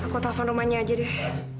aku telepon rumahnya aja deh